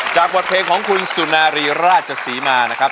บทเพลงของคุณสุนารีราชศรีมานะครับ